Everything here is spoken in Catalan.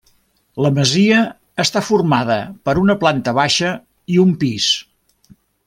La masia està formada per una planta baixa i un pis.